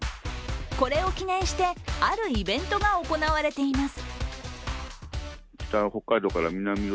これを記念して、あるイベントが行われています。